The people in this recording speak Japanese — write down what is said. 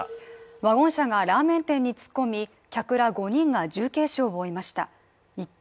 ワゴン車がラーメン店に突っ込み、客ら５人が重軽傷を負いました。